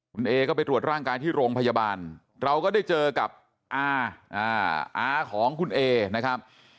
คุณเอก็ไปตรวจร่างกายที่โรงพยาบาลเราก็ได้เจอกับอาของคุณเอนะครับ